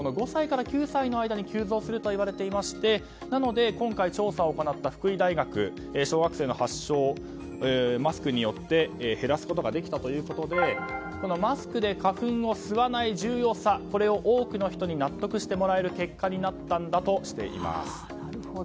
５歳から９歳の間に急増するといわれていましてなので、今回調査を行った福井大学小学生の発症、マスクによって減らすことができたということでマスクで花粉を吸わない重要さ多くの人に納得してもらえる結果になったんだとしています。